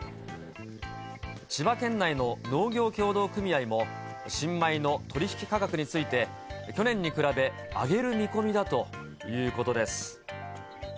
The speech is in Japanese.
千葉県内の農業協同組合も、新米の取り引き価格について、去年に比べ上げる見込みだということです。